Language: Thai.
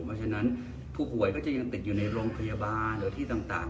เพราะฉะนั้นผู้ป่วยก็จะยังติดอยู่ในโรงพยาบาลหรือที่ต่าง